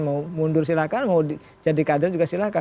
mau mundur silahkan mau jadi kader juga silahkan